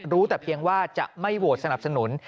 แต่เพียงว่าจะไม่โหวตสนับสนุน